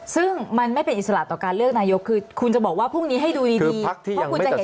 ซึ่งมันไม่เป็นอิสระต่อการเลือกนายกคือคุณจะบอกว่าพรุ่งนี้ให้ดูดีเพราะคุณจะเห็น